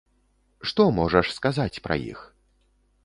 Што можаш сказаць пра іх?